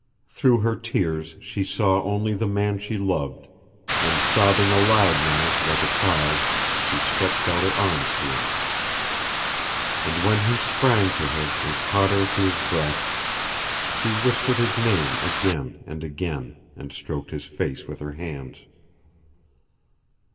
Through her tears she saw only the man she loved, and sobbing aloud now, like a child, she stretched out her arms to him; and when he sprang to her and caught her to his breast, she whispered his name again and again, and stroked his face with her hands.